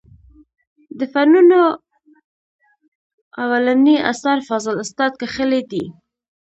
د فنونو اولنى اثر فاضل استاد کښلى دئ.